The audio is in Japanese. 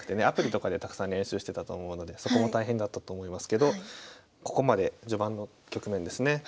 アプリとかでたくさん練習してたと思うのでそこも大変だったと思いますけどここまで序盤の局面ですね。